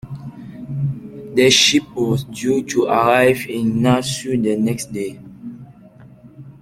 The ship was due to arrive in Nassau the next day.